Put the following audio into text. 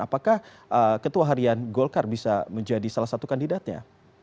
apakah ketua harian golkar bisa menjadi salah satu kandidatnya